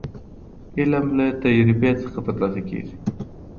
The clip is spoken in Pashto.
علم له تجربې څخه ترلاسه کيږي.